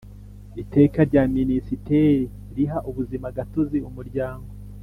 Iteka rya Minisiteri riha ubuzimagatozi umuryango